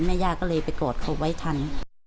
ย่าก็เลยไปกอดเขาไว้ทัน